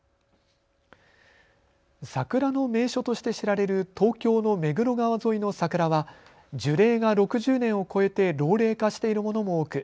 桜の名所として知られる東京の目黒川沿いの桜は樹齢が６０年を超えて老齢化しているものも多く